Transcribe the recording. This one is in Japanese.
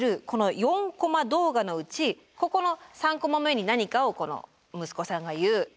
この４コマ動画のうちここの３コマ目に何かを息子さんが言う